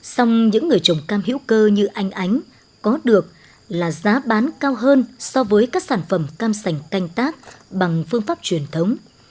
xong những người trồng cam hữu cơ như anh ánh có được là giá bán cao hơn so với các sản phẩm cam sành canh tác bằng phương pháp truyền thống